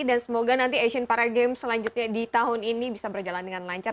dan semoga nanti asean para games selanjutnya di tahun ini bisa berjalan dengan lancar